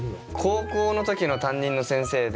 高校の時の担任の先生で。